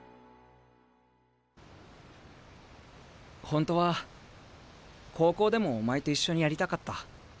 本当は高校でもお前と一緒にやりたかった。